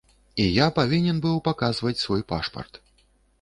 І я павінен быў паказваць свой пашпарт.